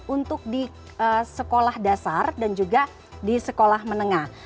untuk di sekolah dasar dan juga di sekolah menengah